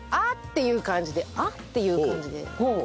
いう感じであっ！っていう感じで。